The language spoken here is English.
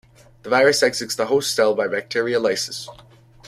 The virus exits the host cell by bacteria lysis.